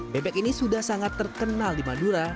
bebek ini sudah sangat terkenal di madura